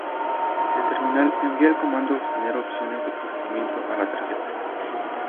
El terminal envía el comando "obtener opciones de procesamiento" a la tarjeta.